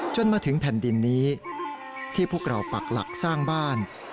จนถึงแผ่นดินนี้ที่พวกเราปักหลักสร้างบ้าน